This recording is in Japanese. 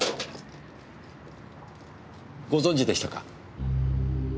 ご存じでしたか。